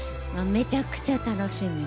めちゃくちゃ楽しみ。